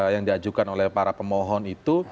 yang diajukan oleh para pemohon itu